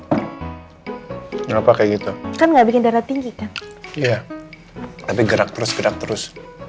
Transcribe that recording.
kenapa kayak gitu kan nggak bikin darah tinggi kan iya tapi gerak terus gerak terus